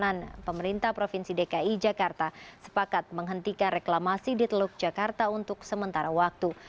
dan pemerintah provinsi dki jakarta sepakat menghentikan reklamasi di teluk jakarta untuk sementara waktu